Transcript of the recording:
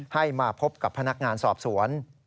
ให้มาพบกับพนักงานสอบสวน